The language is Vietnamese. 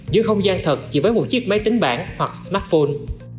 nhưng không gian thật chỉ với một chiếc máy tính bản hoặc smartphone